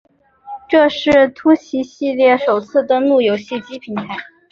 这是突袭系列首次登陆游戏机平台。